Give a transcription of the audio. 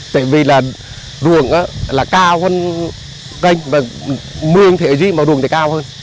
tại vì là ruộng là cao hơn canh và mưa thì ở dưới mà ruộng thì cao hơn